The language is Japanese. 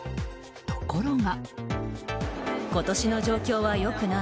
ところが。